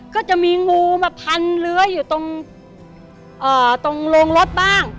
ก็จะมีงูมาพันเลื้ออยู่ตรงโรงรถบ้าง